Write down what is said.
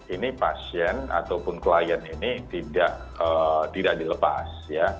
ini pasien ataupun klien ini tidak dilepas